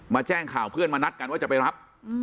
แจ้งข่าวเพื่อนมานัดกันว่าจะไปรับ